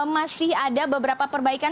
masih ada beberapa perbaikan